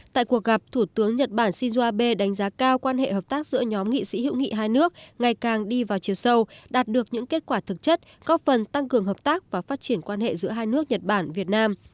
tại cuộc gặp thủ tướng nhật bản shinzo abe đánh giá cao quan hệ hợp tác giữa nhóm nghị sĩ hữu nghị hai nước ngày càng đi vào chiều sâu đạt được những kết quả thực chất góp phần tăng cường hợp tác và phát triển quan hệ giữa hai nước nhật bản việt nam